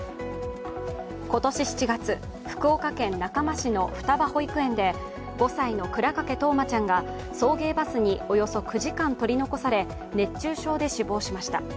今年７月、福岡県中間市の双葉保育園で５歳の倉掛冬生ちゃんが送迎バスにおよそ９時間取り残され熱中症で死亡しました。